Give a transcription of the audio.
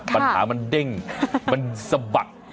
ปัญหามันเด้งมันสะบัด